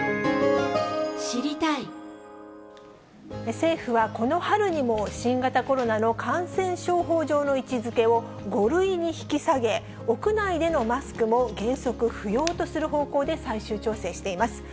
政府はこの春にも、新型コロナの感染症法上の位置づけを、５類に引き下げ、屋内でのマスクも原則不要とする方向で最終調整しています。